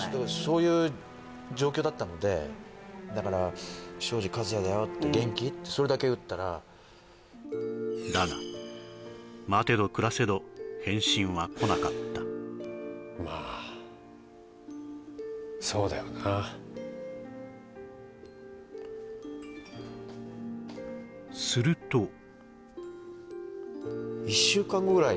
そういう状況だったのでだから「昭次和也だよ元気？」ってそれだけ打ったらだが待てど暮らせどまあそうだよなすると１週間？